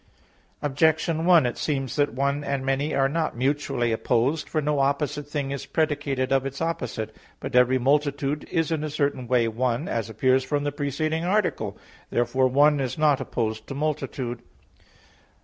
Objection 1: It seems that "one" and "many" are not mutually opposed. For no opposite thing is predicated of its opposite. But every multitude is in a certain way one, as appears from the preceding article. Therefore "one" is not opposed to "multitude."